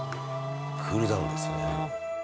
「クールダウンですよね」